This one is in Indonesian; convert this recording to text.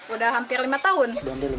udah hampir lima tahun